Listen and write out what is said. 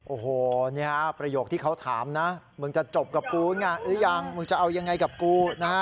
โอ้โหนี่ฮะประโยคที่เขาถามนะมึงจะจบกับกูหรือยังมึงจะเอายังไงกับกูนะฮะ